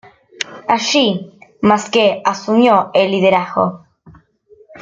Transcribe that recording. Allí, Masque asumió el liderazgo.